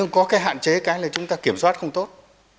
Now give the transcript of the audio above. có cái hạn chế cái là chúng ta kiểm soát không tốt